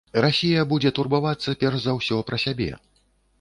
Расія будзе турбавацца, перш за ўсё, пра сябе.